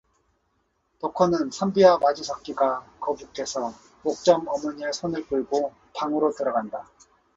덕호는 선비와 마주섰기가 거북해서 옥점 어머니의 손을 끌고 방으로 들어간다.